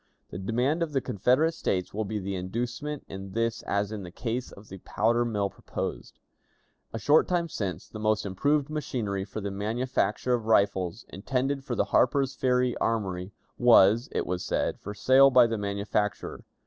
The demand of the Confederate States will be the inducement in this as in the case of the powder mill proposed. "A short time since, the most improved machinery for the manufacture of rifles, intended for the Harper's Ferry Armory, was, it was said, for sale by the manufacturer.